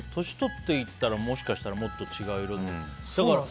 年取っていったらもしかしたらもっと違う色とか。